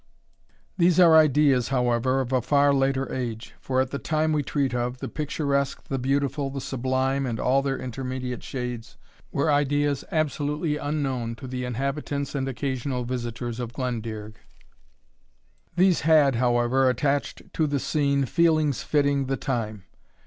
These are ideas, however, of a far later age; for at the time we treat of, the picturesque, the beautiful, the sublime, and all their intermediate shades, were ideas absolutely unknown to the inhabitants and occasional visitors of Glendearg. These had, however, attached to the scene feelings fitting the time.